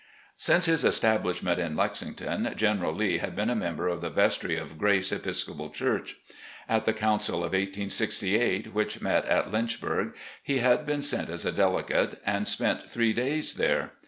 Since his establishment in Lexington, General Lee had been a member of the vestry of Grace (Episcopal) church. At the council of 1868, which met at Lynch burg, he had been sent as a delegate, and spent three days there.